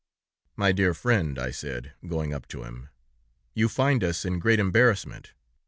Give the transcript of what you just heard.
'My dear friend,' I said, going up to him; 'you find us in great embarrassment.